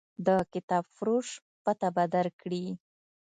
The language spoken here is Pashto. د کتابفروش پته به درکړي.